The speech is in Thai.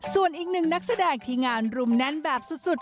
ส่วนอีกหนึ่งนักแสดงที่งานรุมแน่นแบบสุด